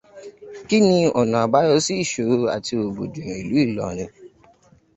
Kí ni ọ̀nà àbáyọ sí ìṣòro àti rògbòdìyàn ìlú Ìlọrin?